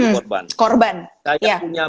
korban korban saya punya